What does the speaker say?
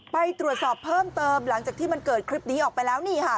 ไปตรวจสอบเพิ่มเติมหลังจากที่มันเกิดคลิปนี้ออกไปแล้วนี่ค่ะ